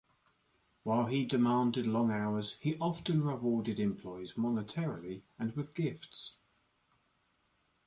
While he demanded long hours, he often rewarded employees monetarily and with gifts.